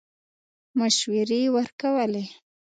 مشورې ورکولې.